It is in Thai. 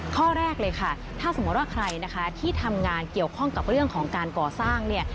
ข้อแรกเลยค่ะถ้าสมมุติว่าใครนะคะที่ทำงานเกี่ยวข้องกับเรื่องของการก่อสร้างเนี่ย